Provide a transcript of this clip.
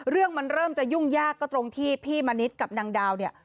เรื่องมันเริ่มจะยุ่งยากก็ตรงที่พี่มณิษฐ์กับนางดาวเนี่ย